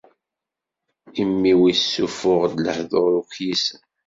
Imi-w issufuɣ-d lehdur ukyisen.